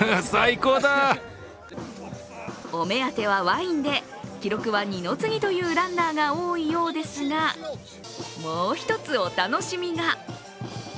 お目当てはワインで、記録は二の次というランナーが多いようですがもう１つお楽しみが。